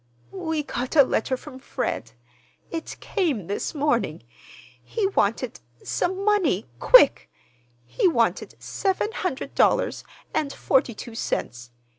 "We got a letter from Fred. It came this morning. He wanted, some money—quick. He wanted seven hundred dollars and forty two cents.